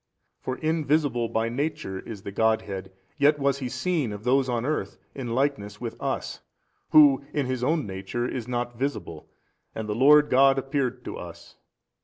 for invisible by Nature is the Godhead, yet was He seen of those on earth in likeness with us Who in His own Nature is not visible, and the Lord God appeared to |298 us.